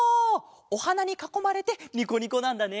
おはなにかこまれてニコニコなんだね。